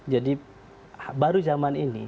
jadi baru zaman ini